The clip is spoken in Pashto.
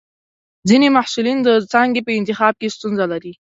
ځینې محصلین د څانګې په انتخاب کې ستونزه لري.